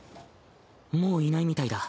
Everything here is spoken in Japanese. もういないみたいだ。